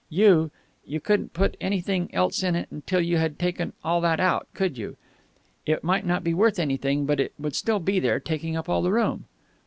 You you couldn't put anything else in till you had taken all that out, could you? It might not be worth anything, but it would still be there, taking up all the room."